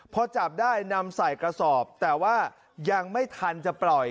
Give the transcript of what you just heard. พอจับได้นำใส่กระสอบแต่ว่ายังไม่ทันจะปล่อย